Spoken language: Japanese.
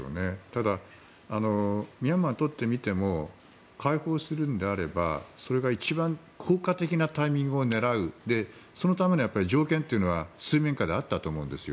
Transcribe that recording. ただ、ミャンマーにとってみても解放するんであればそれが一番効果的なタイミングを狙うそのための条件というのは水面下であったと思うんです。